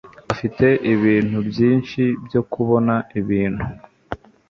Afite ibintu byinshi byo kubona ibintu